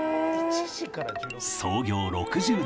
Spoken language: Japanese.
創業６０年